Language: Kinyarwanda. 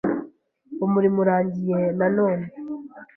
Umurimo urangiye, na none,